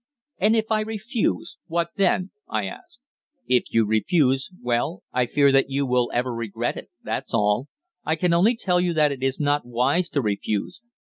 "And if I refuse, what then?" I asked. "If you refuse well, I fear that you will ever regret it, that's all. I can only tell you that it is not wise to refuse.